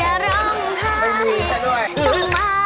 หลับเสียเธอนะ